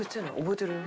覚えてる？